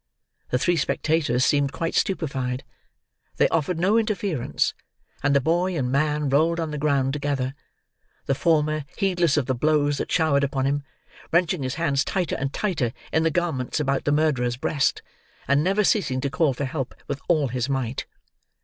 The three spectators seemed quite stupefied. They offered no interference, and the boy and man rolled on the ground together; the former, heedless of the blows that showered upon him, wrenching his hands tighter and tighter in the garments about the murderer's breast, and never ceasing to call for help with all his might.